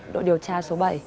đội điều tra số bảy